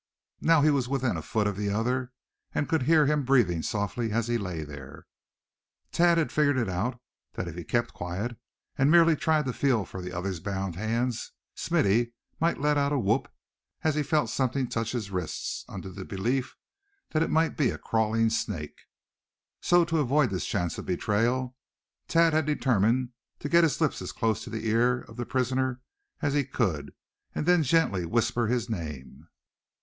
Now he was within a foot of the other, and could hear him breathing softly as he lay there. Thad had figured it out that if he kept quiet, and merely tried to feel for the other's bound hands, Smithy might let out a whoop as he felt something touch his wrists, under the belief that it might be a crawling snake. So, to avoid this chance of betrayal, Thad had determined to get his lips as close to the ear of the prisoner as he could, and then gently whisper his name.